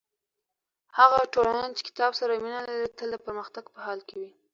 هغه ټولنه چې کتاب سره مینه لري تل د پرمختګ په حال کې وي.